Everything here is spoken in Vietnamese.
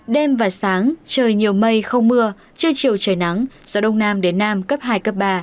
đêm và sáng trời nhiều mây không mưa trưa chiều trời nắng gió đông nam đến nam cấp hai cấp ba